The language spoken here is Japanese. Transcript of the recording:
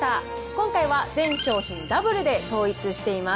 今回は全商品、ダブルで統一しています。